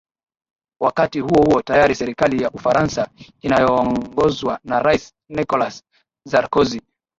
wakati huo huo tayari serikali ya ufaransa inayoongozwa na rais nicholas sarkozy